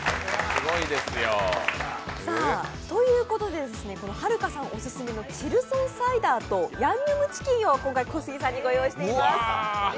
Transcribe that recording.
すごいですよ。ということではるかさんオススメのチルソンサイダーとヤンニョムチキンを今回、小杉さんにご用意してます。